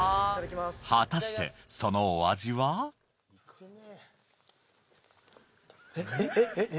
果たしてそのお味は？えっ？